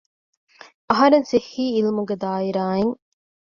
އަހަރެން ސިއްހީ އިލްމުގެ ދާއިރާއިން